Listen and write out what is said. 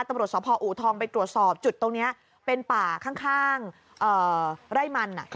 ตำรวจสพอูทองไปตรวจสอบจุดตรงนี้เป็นป่าข้างไร่มัน